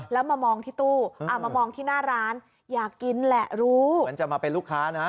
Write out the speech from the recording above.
แล้วมามองที่ตู้อ่ามามองที่หน้าร้านอยากกินแหละรู้เหมือนจะมาเป็นลูกค้านะ